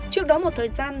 trước đó một thời gian